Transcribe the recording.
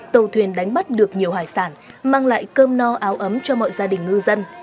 tàu thuyền đánh bắt được nhiều hải sản mang lại cơm no áo ấm cho mọi gia đình ngư dân